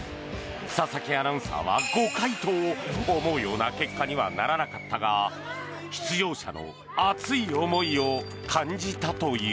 佐々木アナウンサーは５回と思うような結果にはならなかったが出場者の熱い思いを感じたという。